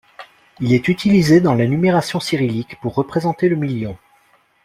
Il est utilisé dans la numération cyrillique pour représenter le million.